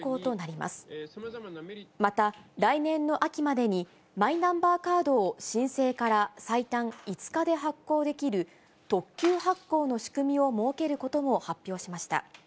また、来年の秋までに、マイナンバーカードを申請から最短５日で発行できる特急発行の仕組みを設けることも発表しました。